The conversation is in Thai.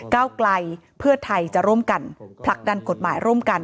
เก้าไกลเพื่อไทยจะร่วมกันผลักดันกฎหมายร่วมกัน